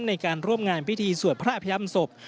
ในการร่วมงานพิธีสวดพระอภยำศพ